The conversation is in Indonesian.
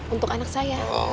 untuk anak saya